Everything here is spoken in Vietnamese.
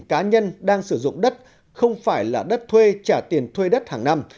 cá nhân đang sử dụng đất không phải là đất thuê trả tiền thuê đất hàng năm